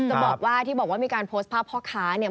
จะบอกว่าที่บอกว่ามีการโพสต์ภาพพ่อค้าเนี่ย